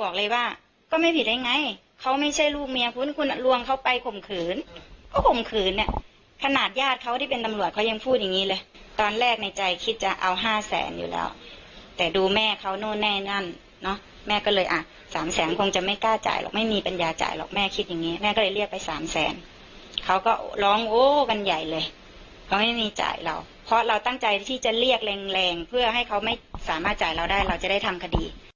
ผมบอกเลยว่าก็ไม่ผิดอะไรไงเขาไม่ใช่ลูกเมียคุณคุณลวงเขาไปข่มขืนก็ข่มขืนเนี่ยขนาดญาติเขาที่เป็นตำรวจเขายังพูดอย่างนี้เลยตอนแรกในใจคิดจะเอาห้าแสนอยู่แล้วแต่ดูแม่เขานั่นแน่นั่นเนาะแม่ก็เลยอ่ะสามแสนคงจะไม่กล้าจ่ายหรอกไม่มีปัญญาจ่ายหรอกแม่คิดอย่างนี้แม่ก็เลยเรียกไปสามแสนเขาก็ร้องโอ้กั